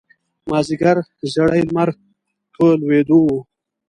مازیګر زیړی لمر په لویېدو و.